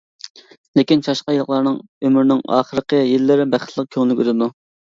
لېكىن، چاشقان يىللىقلارنىڭ ئۆمرىنىڭ ئاخىرقى يىللىرى بەختلىك، كۆڭۈللۈك ئۆتىدۇ.